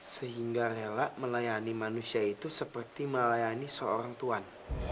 sehingga rela melayani manusia itu seperti melayani seorang tuan